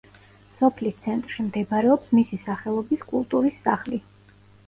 სოფლის ცენტრში მდებარეობს მისი სახელობის კულტურის სახლი.